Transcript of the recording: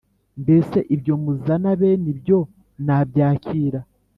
Mbese ibyo muzana bene ibyo nabyakira?